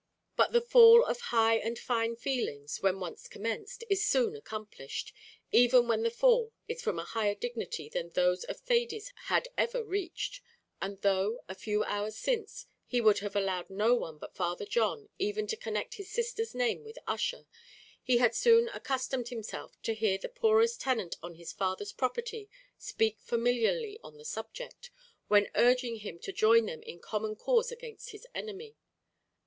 But the fall of high and fine feelings, when once commenced, is soon accomplished, even when the fall is from a higher dignity than those of Thady's had ever reached; and though, a few hours since, he would have allowed no one but Father John, even to connect his sister's name with Ussher, he had soon accustomed himself to hear the poorest tenant on his father's property speak familiarly on the subject, when urging him to join them in common cause against his enemy.